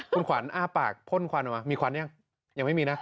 คุณขวัญอ้าปากพ่นควันออกมามีควันยังยังไม่มีนะ